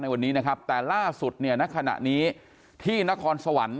วันนี้นะครับแต่ล่าสุดเนี่ยณขณะนี้ที่นครสวรรค์